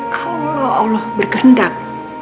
kalau allah bergendak